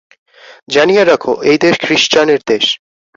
জানিয়া রাখো, এই দেশ খ্রীষ্টানের দেশ।